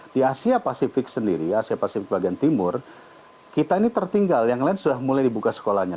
di asia pasifik sendiri asia pasifik bagian timur kita ini tertinggal yang lain sudah mulai dibuka sekolahnya